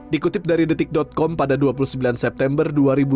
dikutip dari detik com pada dua puluh sembilan september dua ribu dua puluh